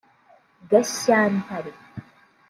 Gashyantare